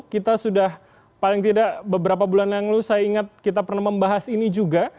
kita sudah paling tidak beberapa bulan yang lalu saya ingat kita pernah membahas ini juga